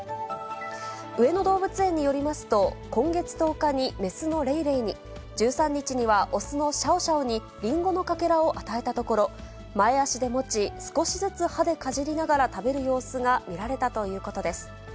上野動物園によりますと、今月１０日に雌のレイレイに、１３日には雄のシャオシャオにリンゴのかけらを与えたところ、前足で持ち、少しずつ歯でかじりながら食べる様子が見られたということです。